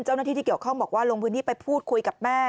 เจ้าหน้าที่ที่เกี่ยวข้องบอกว่าลงพื้นที่ไปพูดคุยกับแม่